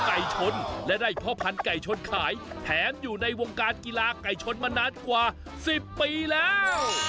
ไก่ชนและได้พ่อพันธุไก่ชนขายแถมอยู่ในวงการกีฬาไก่ชนมานานกว่า๑๐ปีแล้ว